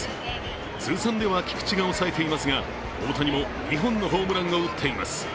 通算では菊池が抑えていますが、大谷も２本のホームランを打っています。